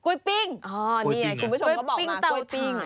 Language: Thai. อ๋อคุณผู้ชมบอกว่ากล้วยปิ้งเต่าถ่าน